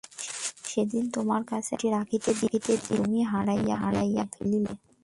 সে দিন তােমার কাছে এক চিঠি রাখিতে দিলাম, তুমি হারাইয়া ফেলিলে!